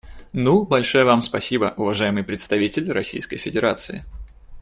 Ну, большое Вам спасибо, уважаемый представитель Российской Федерации.